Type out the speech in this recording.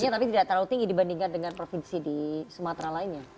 tapi tidak terlalu tinggi dibandingkan dengan provinsi di sumatera lainnya